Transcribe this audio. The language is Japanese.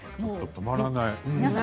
止まらない。